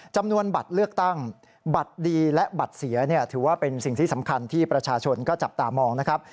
จำนวนบัตรเลือกตั้งบัตรดีและบัตรเสียเนี่ยถือว่าเป็นสิ่งที่สำคัญที่ประชาชนก็จับตามองนะครับ